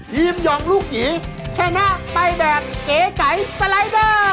ทีมหย่องลูกหยีแช่งหน้าใบแบบเก๋ไก่สไลเดอร์